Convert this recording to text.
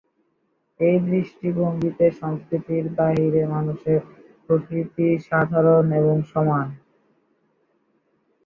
এই দৃষ্টিভঙ্গিতে সংস্কৃতির বাহিরে মানুষের প্রকৃতি সাধারণ এবং সমান।